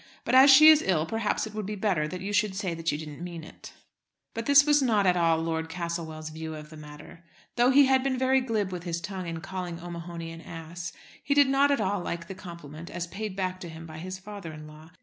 But as she is ill, perhaps it would be better that you should say that you didn't mean it." But this was not at all Lord Castlewell's view of the matter. Though he had been very glib with his tongue in calling O'Mahony an ass, he did not at all like the compliment as paid back to him by his father in law.